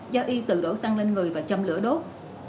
do y tự đổ xăng lên người và châm lửa đốt